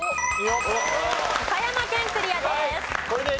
岡山県クリアです。